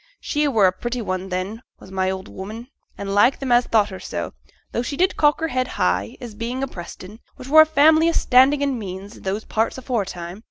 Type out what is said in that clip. She were a pretty one then, was my old 'ooman, an' liked them as thought her so, though she did cock her head high, as bein' a Preston, which were a family o' standin' and means i' those parts aforetime.